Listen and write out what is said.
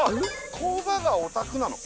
工場がお宅なの？